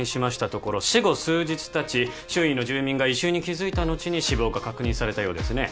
ところ死後数日たち周囲の住民が異臭に気付いたのちに死亡が確認されたようですね